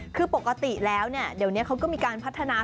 คือปกติแล้วเดี๋ยวนี้เขาก็มีการพัฒนา